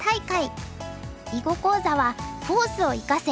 囲碁講座は「フォースを生かせ！